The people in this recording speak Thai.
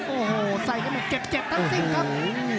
โอ้โหใส่กันหมดเจ็บทั้งสิ้นครับ